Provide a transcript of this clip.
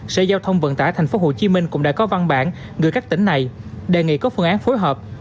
sở giao thông vận tải tp hcm cũng đã có văn bản gửi các tỉnh này đề nghị có phương án phối hợp